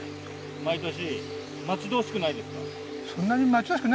毎年待ち遠しくないですか？